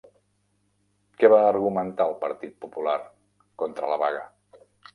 Què va argumentar el Partit Popular contra la vaga?